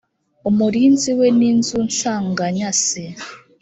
umurinzi we n inzu nsanganyasi